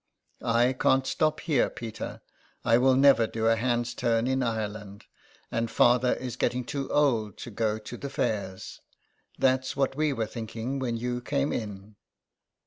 I can't stop here, Peter — I will never do a hand's turn in Ireland — and father is getting too old to go to the fairs. That's what we were thinking when you came in."